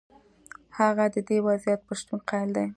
هغه د دې وضعیت پر شتون قایل دی.